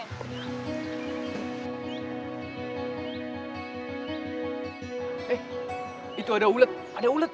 eh itu ada ulet ada ulet